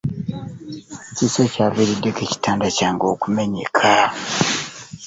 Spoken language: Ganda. Kiki ekyavirideko ekitanda kyange okumenyeka?